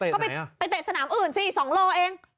ก็ไปเตะสนามอื่นสิ๒โลเอง